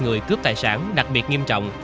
người cướp tài sản đặc biệt nghiêm trọng